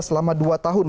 selama dua tahun